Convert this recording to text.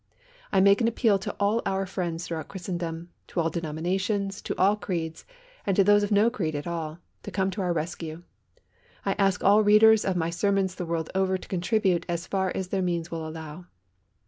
I make appeal to all our friends throughout Christendom, to all denominations, to all creeds and to those of no creed at all, to come to our rescue. I ask all readers of my sermons the world over to contribute as far as their means will allow.